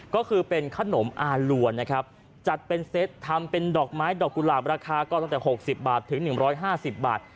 ก็คือเป็นขนมอ่านหลวนนะครับจัดเป็นเซตทำเป็นดอกไม้ดอกกุหลาบราคาก็ตั้งแต่หกสิบบาทถึงหนึ่งร้อยห้าสิบบาท